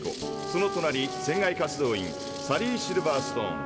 そのとなり船外活動員サリー・シルバーストーン。